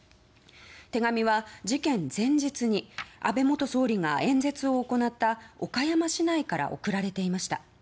手紙は事件前日に安倍元総理が演説を行った岡山市内から送られていました。